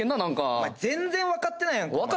お前全然わかってないやんか。